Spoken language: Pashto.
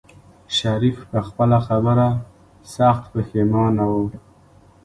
شريف په خپله خبره سخت پښېمانه و.